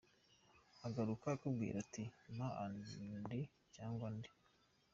Akagaruka akakubwira ati mpa and cyangwa se ….